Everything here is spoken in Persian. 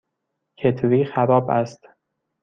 کتری خراب است.